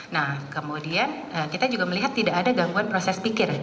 nah kemudian kita juga melihat tidak ada gangguan proses pikir